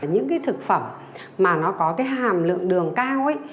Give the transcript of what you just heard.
những cái thực phẩm mà nó có cái hàm lượng đường cao ấy